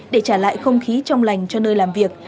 để trả lại không khí trong lành cho nơi làm việc